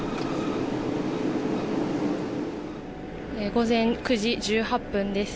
午前９時１８分です。